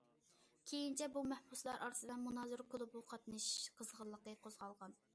كېيىنچە بۇ مەھبۇسلار ئارىسىدا مۇنازىرە كۇلۇبىغا قاتنىشىش قىزغىنلىقى قوزغالغان.